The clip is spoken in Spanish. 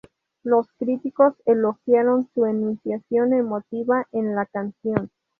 Los críticos elogiaron su enunciación emotiva en la canción.